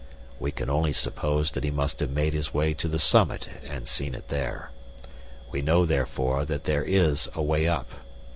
"We can only suppose that he must have made his way to the summit and seen it there. We know, therefore, that there is a way up.